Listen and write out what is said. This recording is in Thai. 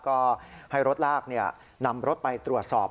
ก็ให้รถลากนำรถไปตรวจสอบ